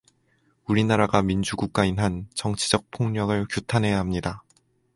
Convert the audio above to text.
우리나라가 민주국가인 한 정치적 폭력을 규탄해야 합니다.